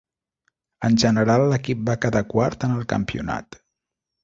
En general l'equip va quedar quart en el campionat.